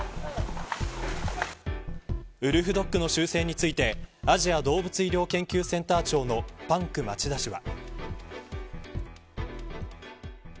ウルフドッグの習性についてアジア動物医療研究センター長のパンク町田氏は。